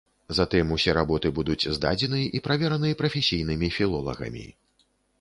Затым усе работы будуць здадзены і правераны прафесійнымі філолагамі.